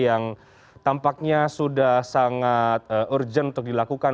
yang tampaknya sudah sangat urgent untuk dilakukan